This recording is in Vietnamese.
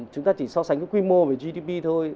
chúng ta chỉ so sánh quy mô về gdp thôi